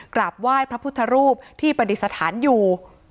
กราบไหว้พระพุทธรูปที่ปฏิสถานอยู่